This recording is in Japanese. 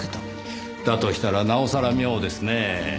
だとしたらなおさら妙ですねぇ。